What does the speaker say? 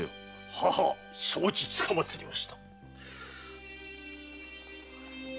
ははっ承知つかまつりました。